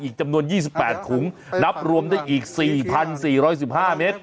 อีกจำนวนยี่สิบแปดขุมรับรวมได้อีกสี่พันสี่ร้อยสิบห้าเมตร